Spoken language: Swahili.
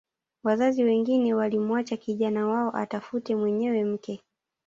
Wazazi wengine walimwacha kijana wao atafute mwenyewe mke